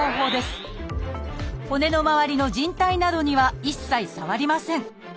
骨のまわりのじん帯などには一切触りません。